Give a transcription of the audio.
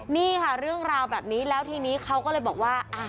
นี่ค่ะเรื่องราวแบบนี้แล้วทีนี้เขาก็เลยบอกว่า